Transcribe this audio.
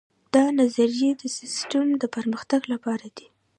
دا نظریې د سیسټم د پرمختګ لپاره دي.